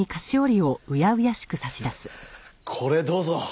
これどうぞ。